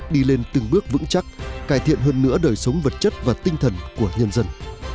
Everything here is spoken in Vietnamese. đi lên từng bước vững chắc cải thiện hơn nữa đời sống vật chất và tinh thần của nhân dân